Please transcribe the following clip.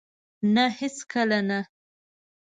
نه! هیڅکله نه